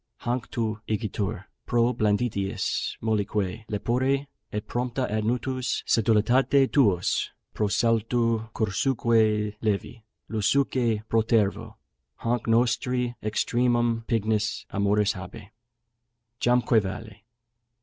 Hanc tu igitur, pro blanditiis mollique lepore, Et prompta ad nutus sedulitate tuos, Pro saltu cursuque levi, lusuque protervo, Hanc nostri extremum pignus amoris habe. Jamque vale!